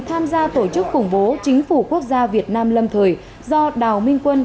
tham gia tổ chức khủng bố chính phủ quốc gia việt nam lâm thời do đào minh quân